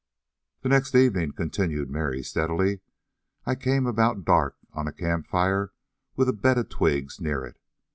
"The next evening," continued Mary steadily, "I came about dark on a camp fire with a bed of twigs near it.